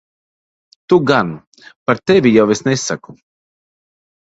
Tu gan. Par tevi jau es nesaku.